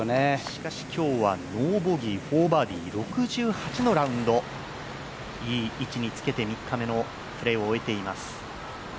しかし今日はノーボギー、４バーディー、６８のラウンド、いい位置につけて３日目のプレーを終えています。